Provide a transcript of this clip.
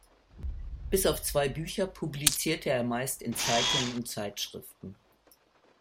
Bis auf zwei Bücher publizierte er meist in Zeitungen und Zeitschriften.